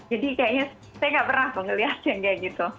jadi kayaknya saya gak pernah melihatnya kayak gitu